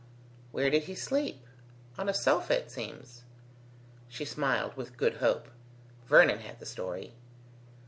"Where did he sleep?" "On a sofa, it seems." She smiled, with good hope Vernon had the story.